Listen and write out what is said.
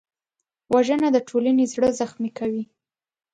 وژنه د ټولنې زړه زخمي کوي